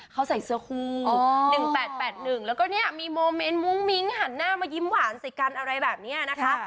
เขาใส่เสื้อคู่๑๘๘๑แล้วก็เนี่ยมีโมเมนต์มุ้งมิ้งหันหน้ามายิ้มหวานใส่กันอะไรแบบนี้นะคะ